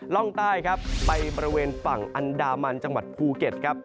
ร่องใต้ครับไปบริเวณฝั่งอันดามันจังหวัดภูเก็ตครับ